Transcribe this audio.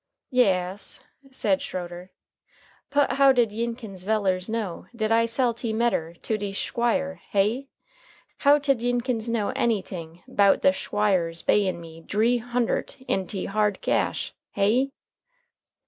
"Ya as," said Schroeder, "put how did Yinkins vellers know dat I sell te medder to te Shquire, hey? How tid Yinkins know anyting 'bout the Shquire's bayin' me dree huntert in te hard gash hey?"